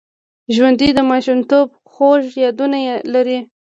ژوندي د ماشومتوب خوږ یادونه لري